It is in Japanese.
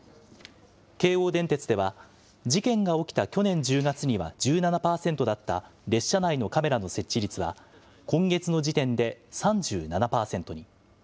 京王電鉄では、事件が起きた去年１０月には１７％だった列車内のカメラの設置率は、今月の時点で３７％に。